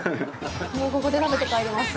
もうここで食べて帰ります。